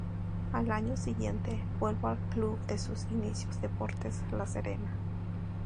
Al año siguiente vuelve al club de sus inicios, Deportes La Serena.